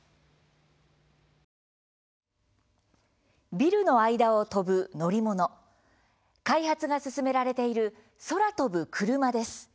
ビルの間を飛ぶ乗り物開発が進められている空飛ぶクルマです。